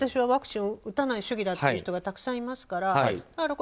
ワクチンを打たない主義の人もたくさんいますから。